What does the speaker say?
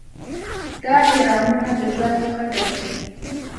دا اهرامونه د ژوند موخه ګرځي.